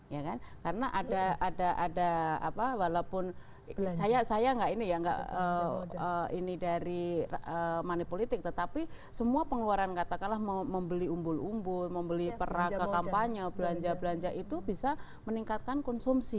ya kan karena ada apa walaupun saya nggak ini ya nggak ini dari money politik tetapi semua pengeluaran katakanlah mau membeli umbul umbul membeli perak ke kampanye belanja belanja itu bisa meningkatkan konsumsi